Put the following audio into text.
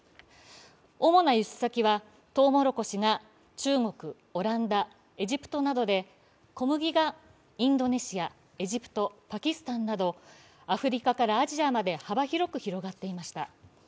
主な輸出先は、とうもろこしが中国、オランダ、エジプトなどで、小麦がインドネシア、エジプトパキスタンなど、アフリカからアジアまで幅広く広がっていました。